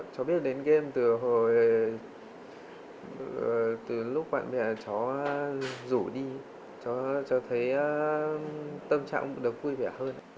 cháu biết đến game từ lúc bạn bè cháu rủ đi cháu thấy tâm trạng cũng được vui vẻ hơn